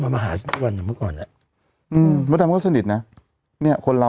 พระดำก็สนิทนะ